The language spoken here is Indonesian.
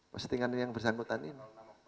maksudnya yang bersangkutan ini